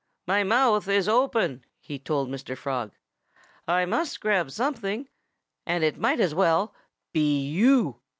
"My mouth is open," he told Mr. Frog. "I must grab something. And it might as well be you."